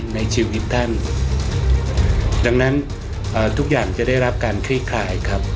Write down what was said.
ในชีวิตท่านดังนั้นทุกอย่างจะได้รับการคลี่คลายครับ